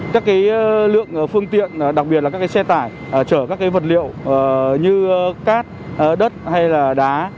các cái lượng phương tiện đặc biệt là các cái xe tải chở các cái vật liệu như cát đất hay là đá